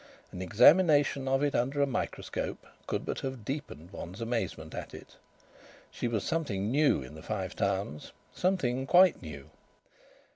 An examination of it under a microscope could but have deepened one's amazement at it. She was something new in the Five Towns, something quite new.